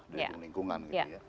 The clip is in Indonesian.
daya dukung lingkungan gitu ya